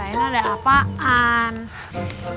ada orang yang hanya ikut biar bayi